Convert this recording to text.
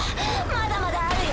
まだまだあるよ。